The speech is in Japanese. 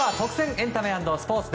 エンタメ＆スポーツ。